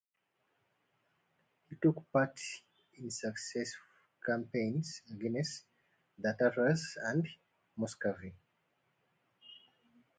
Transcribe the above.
He took part in successful campaigns against the Tatars and Muscovy.